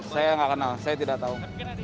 saya nggak kenal saya tidak tahu